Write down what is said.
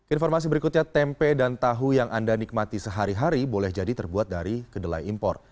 informasi berikutnya tempe dan tahu yang anda nikmati sehari hari boleh jadi terbuat dari kedelai impor